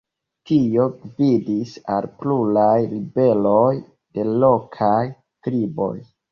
Tio gvidis al pluraj ribeloj de lokaj triboj.